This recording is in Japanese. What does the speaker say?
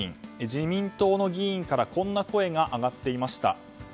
自民党の議員からこんな声が上がっていました。